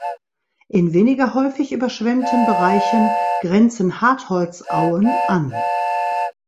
In weniger häufig überschwemmten Bereichen grenzen Hartholzauen an.